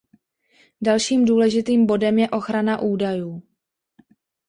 Dalším důležitým bodem je ochrana údajů.